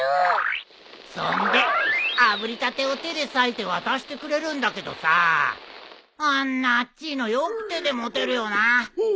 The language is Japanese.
そんであぶりたてを手でさいて渡してくれるんだけどさあんなあっちいのよく手で持てるよな。